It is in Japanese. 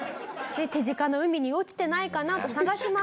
手近な海に落ちてないかなと探します。